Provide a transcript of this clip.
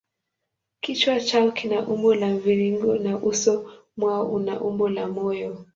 Kichwa chao kina umbo la mviringo na uso mwao una umbo la moyo.